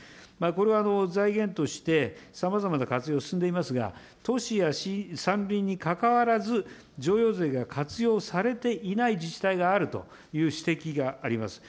これは財源として、さまざまな活用進んでいますが、都市や山林にかかわらず、譲与税が活用されていない自治体があるという指摘があります。